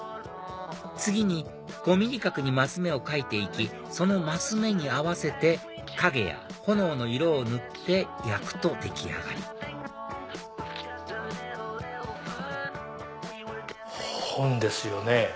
次に５ｍｍ角に升目を描いて行きその升目に合わせて影や炎の色を塗って焼くと出来上がり本ですよね？